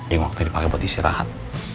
ini waktunya dipake buat istirahat